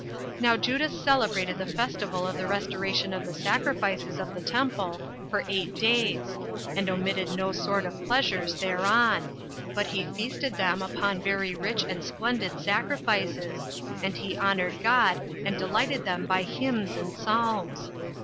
7. Now Judas celebrated the festival of the restoration of the sacrifices of the temple for eight days, and omitted no sort of pleasures thereon; but he feasted them upon very rich and splendid sacrifices; and he honored God, and delighted them by hymns and psalms.